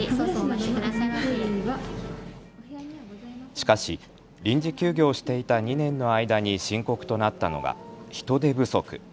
しかし臨時休業していた２年の間に深刻となったのが人手不足。